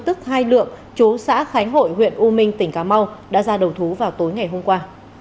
tức hai lượng chú xã khánh hội huyện u minh tỉnh cà mau đã ra đầu thú vào tối ngày hôm qua